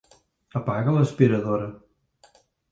Apaga l'aspiradora.